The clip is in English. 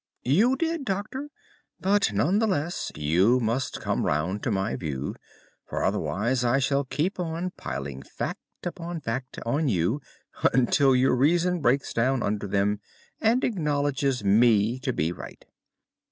"You did, Doctor, but none the less you must come round to my view, for otherwise I shall keep on piling fact upon fact on you until your reason breaks down under them and acknowledges me to be right.